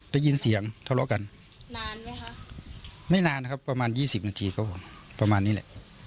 ได้ยินเสียงทะเลาะกันไม่นานครับประมาณ๒๐นาทีครับประมาณนี้แหละ